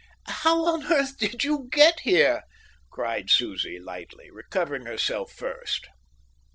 "How on earth did you get here?" cried Susie lightly, recovering herself first.